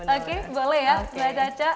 oke boleh ya mbak caca